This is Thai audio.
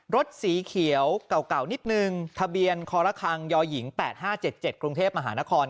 รถสีเขียวเก่านิดนึงทะเบียนคอละครยหญิง๘๕๗๗กรุงเทพมหานคร